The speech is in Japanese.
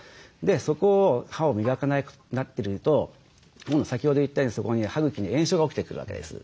そこを歯を磨かなくなってると先ほど言ったようにそこに歯茎に炎症が起きてくるわけです。